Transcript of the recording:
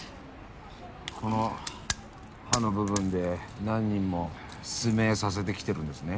このはの部分で何人も失明させてきてるんですね。